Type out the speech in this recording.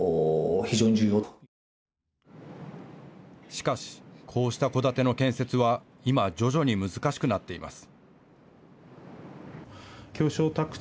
しかし、こうした戸建ての建設は今、徐々に難しくなっています。